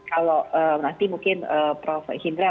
kalau nanti mungkin prof hindra